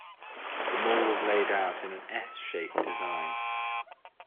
The mall was laid out in an "S" shape design.